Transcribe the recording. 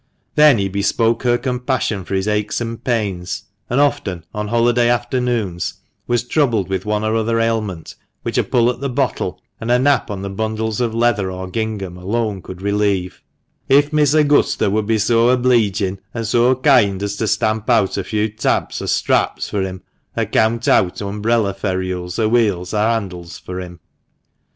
Then he bespoke her compassion for his aches and pains, and often, on holiday afternoons, was troubled with one or other ailment, which a pull at the bottle and a nap on the bundles of leather, or gingham, alone could relieve — "if Miss Augusta would be so obleeging an' so koind as to stamp out a few tabs or straps for him, or count out umbrella ferules, or wheels, or handles," for him.